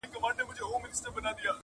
o بد مه کوه، بد به نه در رسېږي!